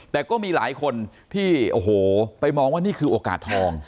แต่ก็มีหลายคนที่โอ้โหไปมองว่านี่คือโอกาสทอง